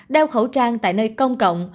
đeo khẩu trang tại nơi công cộng